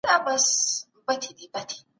ایا د مالټې په خوړلو سره د زکام مخه نیول کېدای سي؟